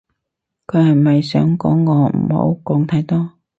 佢係咪想講我唔好講太多